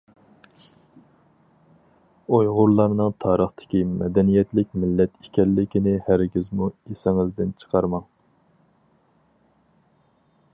ئۇيغۇرلارنىڭ تارىختىكى مەدەنىيەتلىك مىللەت ئىكەنلىكىنى ھەرگىزمۇ ئېسىڭىزدىن چىقارماڭ.